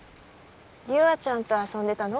優愛ちゃんと遊んでたの？